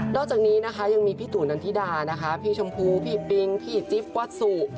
นอกจากนี้ยังมีพี่ตู่นทิดาพี่ชมพูพี่ปิ๊งพี่จิบกวาดสุ